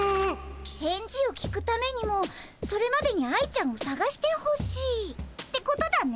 返事を聞くためにもそれまでに愛ちゃんをさがしてほしいってことだね？